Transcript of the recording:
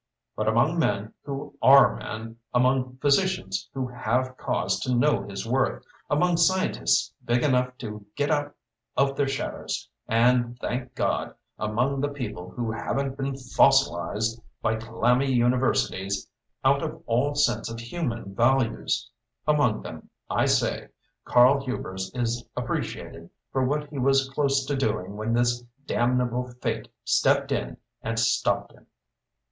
But among men who are men, among physicians who have cause to know his worth, among scientists big enough to get out of their own shadows, and, thank God, among the people who haven't been fossilised by clammy universities out of all sense of human values among them, I say, Karl Hubers is appreciated for what he was close to doing when this damnable fate stepped in and stopped him!"